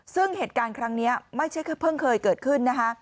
ซึ่งเหตุการณ์ครั้งนี้ไม่ใช่เพิ่งเคยเกิดขึ้นนะคะ